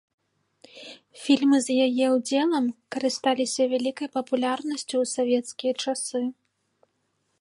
Фільмы з яе ўдзелам карысталіся вялікай папулярнасцю ў савецкія часы.